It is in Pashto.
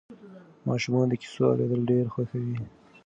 ماشومان د کیسو اورېدل ډېر خوښوي.